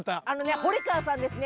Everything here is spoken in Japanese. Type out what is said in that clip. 堀川さんですね